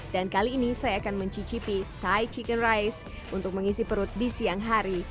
dan kali ini saya akan mencicipi thai chicken rice untuk mengisi perut di siang hari